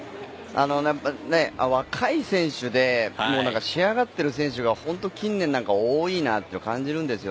若い選手で仕上がっている選手が近年多いなと感じるんです。